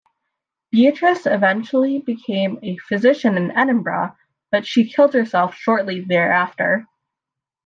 Beatrice eventually became a physician in Edinburgh, but she killed herself shortly thereafter.